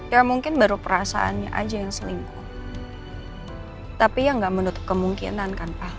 ya mungkin baru perasaannya aja yang selingkuh tapi ya nggak menutup kemungkinan kan